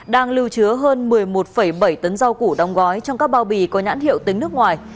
đang lưu chứa hơn một mươi một bảy tấn rau củ đóng gói trong các bao bì có nhãn hiệu tính nước ngoài